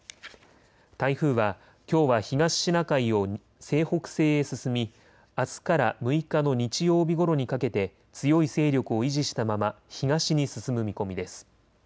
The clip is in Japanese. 台風はきょうは東シナ海を西北西へ進みあすから６日の日曜日ごろにかけて強い勢力を維持したまま東に進む見込みです。